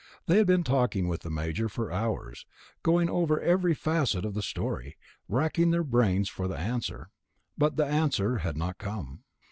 They had been talking with the Major for hours, going over every facet of the story, wracking their brains for the answer ... but the answer had not come.